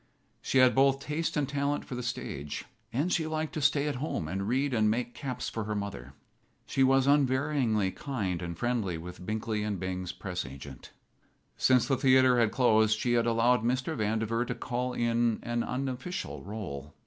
She had both taste and talent for the stage, and she liked to stay at home and read and make caps for her mother. She was unvaryingly kind and friendly with Binkley & Bing's press agent. Since the theatre had closed she had allowed Mr. Vandiver to call in an unofficial rôle.